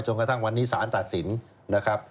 กระทั่งวันนี้สารตัดสินนะครับ